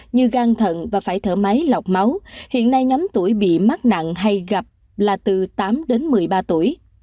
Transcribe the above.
như gan thận và phải thở máy lọc máu hiện nay nhóm tuổi bị mắc nặng hay gặp là từ tám đến một mươi ba tuổi